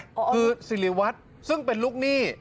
คือสิริวัตรซึ่งเป็นลูกหนี้